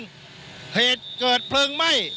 สถานการณ์ข้อมูล